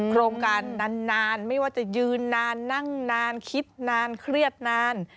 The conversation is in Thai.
โครงการนานไม่ว่าจะยืนนานนั่งนานคิดนานเครียดนาน